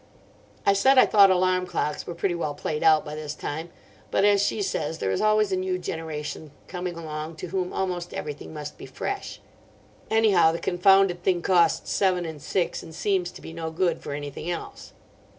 I said I thought alarm clocks were pretty well played out by this time; but, as she says, there is always a new generation coming along to whom almost everything must be fresh. Anyhow, the confounded thing cost seven and six, and seems to be no good for anything else.